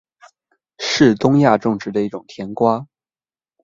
是东亚种植的一种甜瓜。